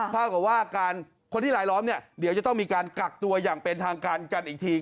เท่ากับว่าคนที่หลายล้อมเนี่ยเดี๋ยวจะต้องมีการกักตัวอย่างเป็นทางการกันอีกที